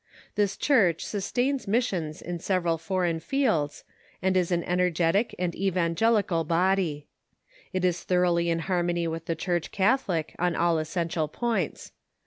This Church sustains mis sions in several foreign fields, and is an energetic and evan gelical body. It is thoroughly in harmony with the Church catholic on all essential points.